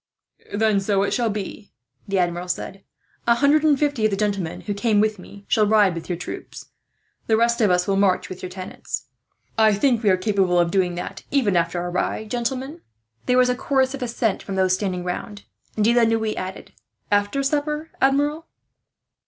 "Then so it shall be," the Admiral said. "A hundred and fifty of the gentlemen who came with me shall ride with your troop. The rest of us will march with your tenants. "I think we are capable of doing that, even after our ride, gentlemen?" There was a chorus of assent from those standing round, and De la Noue added: "After supper, Admiral?"